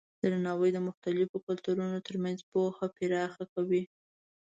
درناوی د مختلفو کلتورونو ترمنځ پوهه پراخه کوي.